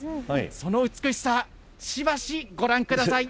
その美しさ、しばしご覧ください。